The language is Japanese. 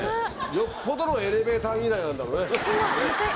よっぽどのエレベーター嫌いなんだろうね。